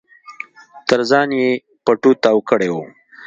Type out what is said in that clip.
تر ځان يې پټو تاو کړی و.